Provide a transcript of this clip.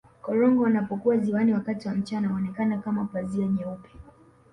korongo wanapokuwa ziwani wakati wa mchana huonekana kama pazia jeupe